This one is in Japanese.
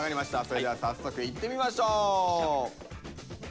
それでは早速いってみましょう。